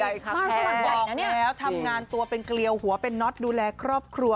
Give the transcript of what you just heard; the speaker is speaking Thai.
ใช่บอกแล้วทำงานตัวเป็นเกลียวหัวเป็นน็อตดูแลครอบครัว